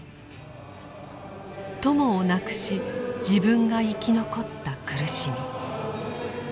友を亡くし自分が生き残った苦しみ。